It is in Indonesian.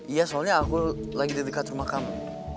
iya soalnya aku lagi dekat rumah kamu